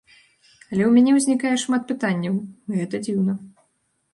Але ў мяне ўзнікае шмат пытанняў, гэта дзіўна.